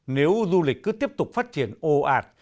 nếu du lịch cứ tiếp tục phát triển ồ ạt